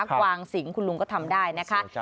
กวางสิงคุณลุงก็ทำได้นะคะ